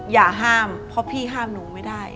อย่าห้ามเพราะพี่ห้ามหนูไม่ได้